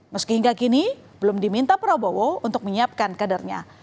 meski hingga kini belum diminta prabowo untuk menyiapkan kadernya